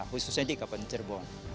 khususnya di kabupaten cirebon